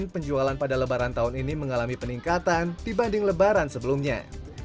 penjualan pada lebaran tahun ini mengalami peningkatan dibanding lebaran sebelumnya